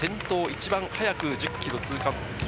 一番早く１０キロ通過。